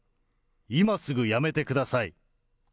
今すぐ辞めてください。